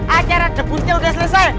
acara debusnya udah selesai